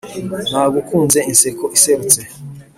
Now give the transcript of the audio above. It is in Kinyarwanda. nagukunze inseko iserutse